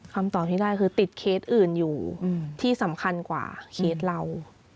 คำตอบที่ได้คือติดเคสอื่นอยู่ที่สำคัญกว่าเคสเรา